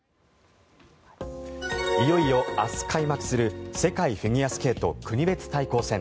いよいよ明日開幕する世界フィギュアスケート国別対抗戦。